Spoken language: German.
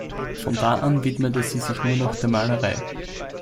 Von da an widmete sie sich nur noch der Malerei.